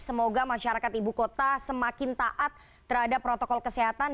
semoga masyarakat ibu kota semakin taat terhadap protokol kesehatan